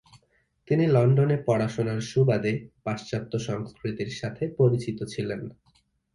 তিনি লন্ডনে পড়াশুনার সুবাদে পাশ্চাত্য সংস্কৃতির সাথে পরিচিত ছিলেন।